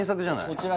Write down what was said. こちら